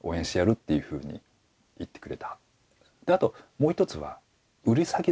っていうふうに言ってくれた。